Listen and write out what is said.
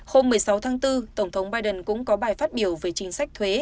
hôm một mươi sáu tháng bốn tổng thống biden cũng có bài phát biểu về chính sách thuế